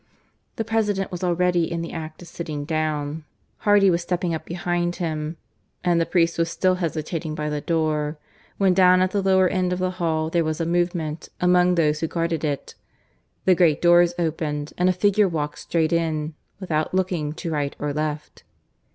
The President was already in the act of sitting down, Hardy was stepping up behind him, and the priest was still hesitating by the door, when down at the lower end of the hall there was a movement among those who guarded it, the great doors opened, and a figure walked straight in, without looking to right or left.